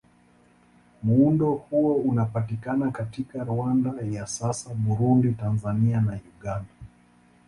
Muundo huo unapatikana katika Rwanda ya sasa, Burundi, Tanzania na Uganda.